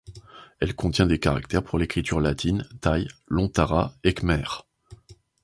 Elle contient des caractères pour l’écritures latine, thaï, lontara et khmer.